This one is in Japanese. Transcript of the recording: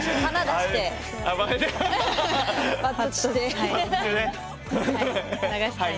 はい。